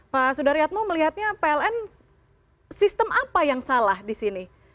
pak sudaryatmo melihatnya pln sistem apa yang salah di sini